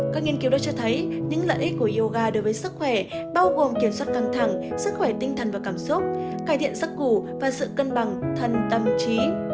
các nghiên cứu đã cho thấy những lợi ích của yoga đối với sức khỏe bao gồm kiểm soát căng thẳng sức khỏe tinh thần và cảm xúc cải thiện sắc củ và sự cân bằng thần tâm trí